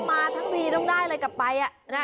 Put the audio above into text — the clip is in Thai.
มาทั้งทีต้องได้อะไรกลับไป